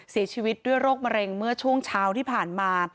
เสียชีวิตด้วยโรคมะเร็งเมื่อช่วงเช้าที่ผ่านมา